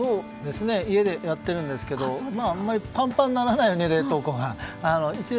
家でやってるんですけどあんまりパンパンにならないように、冷凍庫がね。